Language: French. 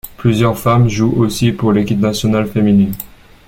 Plusieurs femmes jouent aussi pour l'équipe nationale féminine.